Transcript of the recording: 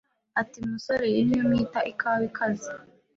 ati Musore iyi ni yo mwita ikawa ikaze